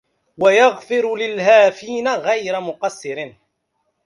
ويغفر للهافين غير مقصر